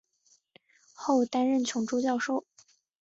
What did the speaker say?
后担任琼州教授。